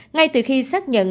ngay từ khi xác nhận